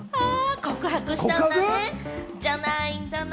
告白したんだね、じゃないんだな。